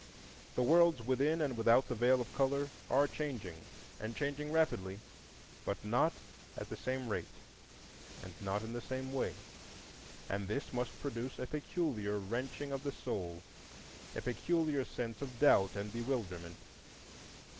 The worlds within and without the Veil of Color are changing, and changing rapidly, but not at the same rate, not in the same way; and this must produce a peculiar wrenching of the soul, a peculiar sense of doubt and bewilderment.